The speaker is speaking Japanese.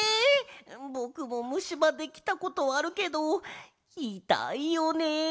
ぼくもむしばできたことあるけどいたいよね。